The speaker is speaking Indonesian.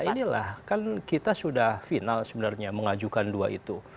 nah inilah kan kita sudah final sebenarnya mengajukan dua itu